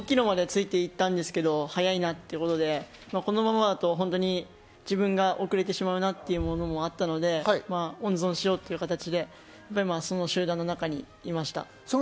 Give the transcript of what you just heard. ５ｋｍまでついていたんですけど、速いなってことでこのままだと自分が遅れてしまうなっていうのもあったので、温存しようという形で集団の中にいました。